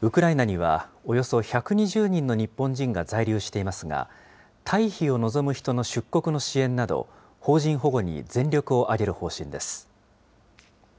ウクライナには、およそ１２０人の日本人が在留していますが、退避を望む人の出国の支援など、邦人保護に全力を挙げる方針です。